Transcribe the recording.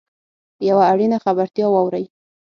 یوه اړینه خبرتیا واورﺉ .